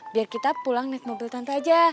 biar kita pulang naik mobil tante aja